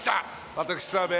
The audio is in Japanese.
私澤部